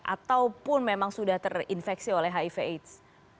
ataupun memang sudah terinfeksi oleh hiv aids